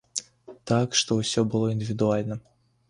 Так што ўсё было індывідуальна.